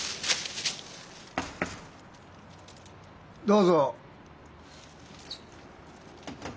・どうぞ。